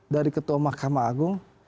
dari ketua mahkamah agung